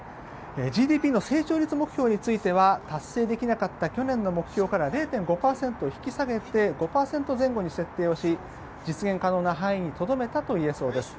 ＧＤＰの成長率目標については達成できなかった昨年から０．５％引き下げて５％前後に設定をし実現可能な範囲にとどめたといえそうです。